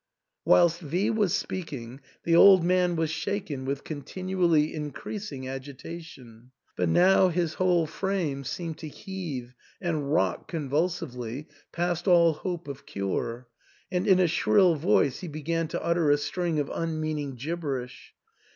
Whilst V was 3o6 THE ENTAIL. speaking, the old man was shaken with continually increasing agitation ; but now his whole frame seemed to heave and rock convulsively past all hope of cure, and in a shrill voice he began to utter a string of unmeaning gibberish.